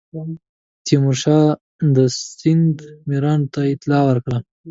تیمورشاه د سند میرانو ته اطلاع ورکړه.